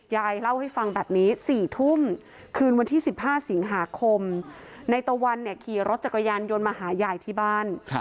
ยายเล่าให้ฟังแบบนี้๔ทุ่มคืนวันที่๑๕สิงหาคมในตะวันเนี่ยขี่รถจักรยานยนต์มาหายายที่บ้าน